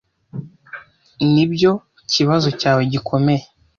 Nibyo kibazo cyawe gikomeye.